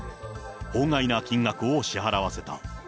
法外な金額を支払わせた。